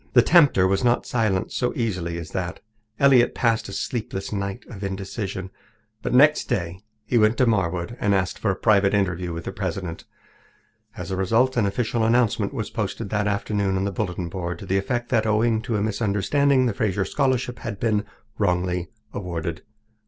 The tempter was not silenced so easily as that. Elliott passed a sleepless night of indecision. But next day he went to Marwood and asked for a private interview with the president. As a result, an official announcement was posted that afternoon on the bulletin board to the effect that, owing to a misunderstanding, the Fraser Scholarship had been wrongly awarded.